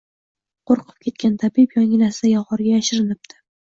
Qo‘rqib ketgan tabib yonginasidagi g‘orga yashirinibdi